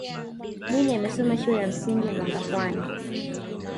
mwinyi amesoma shule ya msingi mangapwani